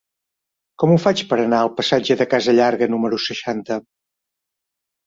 Com ho faig per anar al passatge de Casa Llarga número seixanta?